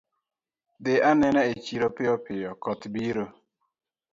Dhi anena e chiro piyo piyo koth biro